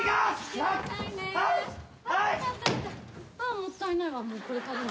もったいないわね。